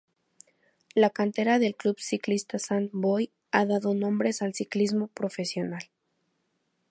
La cantera del Club Ciclista Sant Boi ha dado nombres al ciclismo profesional.